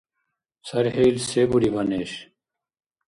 ЦархӀил се буриба, неш?